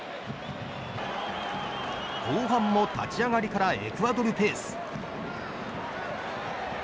後半も立ち上がりからエクアドルペース。